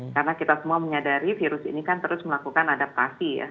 karena kita semua menyadari virus ini kan terus melakukan adaptasi ya